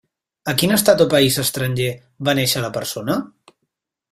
A quin estat o país estranger va néixer la persona?